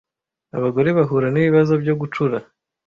abagore bahura nibibazo byo gucura